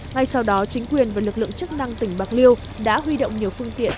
ngay sau đó chính quyền và lực lượng chức năng tỉnh bạc liêu đã huy động nhiều phương tiện